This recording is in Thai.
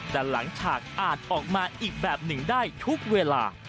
แต่หลังฉากอาจออกมาอีกแบบหนึ่งได้ทุกเวลา